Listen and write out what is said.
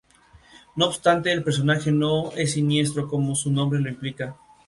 No obstante, el personaje no es siniestro como su nombre lo implica.